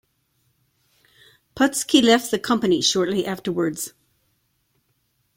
Putski left the company shortly afterwards.